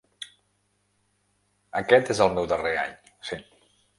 Aquest és el meu darrer any, sí.